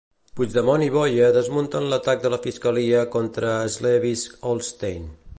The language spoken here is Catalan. Puigdemont i Boye desmunten l'atac de la fiscalia contra Slesvig-Holstein.